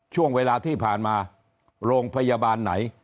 ช่วงเวลาที่ผ่านมาโรงพยาบาลไหน